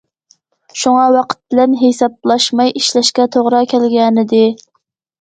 شۇڭا ۋاقىت بىلەن ھېسابلاشماي ئىشلەشكە توغرا كەلگەنىدى.